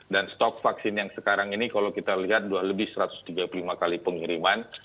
dan stok vaksin yang sekarang ini kalau kita lihat dua lebih satu ratus tiga puluh lima kali pengiriman